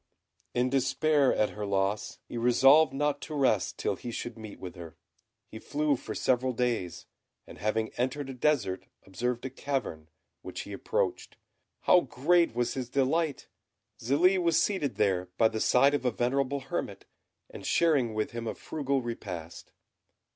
In despair at her loss, he resolved not to rest till he should meet with her. He flew for several days, and having entered a desert, observed a cavern, which he approached. How great was his delight! Zélie was seated there by the side of a venerable hermit, and sharing with him a frugal repast.